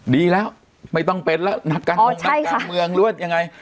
ดีแล้วไม่ต้องเป็นแล้วนักการเมืองนักการเมืองหรือว่ายังไง